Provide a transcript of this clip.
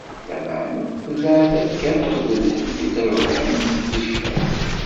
Lameɛna, d leɛtab kan akked lḥif i d-rebbḥen d ccan.